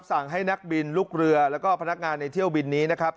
สั่งให้นักบินลูกเรือแล้วก็พนักงานในเที่ยวบินนี้นะครับ